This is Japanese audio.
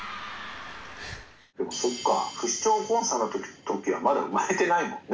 でもそっか不死鳥コンサートの時はまだ生まれてないもんね。